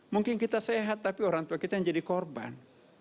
mungkin kita sehat tapi orang tua kita yang jadi korban